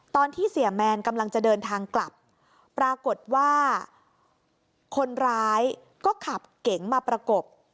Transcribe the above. ตอนที่เสียแมนกำลังจะเดินทางกลับปรากฏว่าคนร้ายก็ขับเก๋งมาประกบ